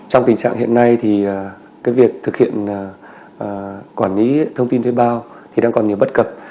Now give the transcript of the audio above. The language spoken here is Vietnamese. trong tình trạng hiện nay thì cái việc thực hiện quản lý thông tin thuê bao thì đang còn nhiều bất cập